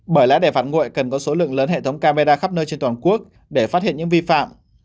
bởi lẽ đề phản nguội cần có số lượng lớn hệ thống camera khắp nơi trên toàn quốc để phát hiện những vi phạm